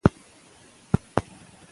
دوی په ښوونځي کې درسونه تکراروي.